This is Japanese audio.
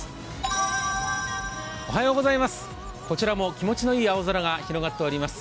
こちらも気持ちのいい青空が広がっております。